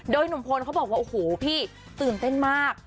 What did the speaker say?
โดยหนุ่มพลเขาบอกว่าโอ้โหพี่ตื่นเต้นมาก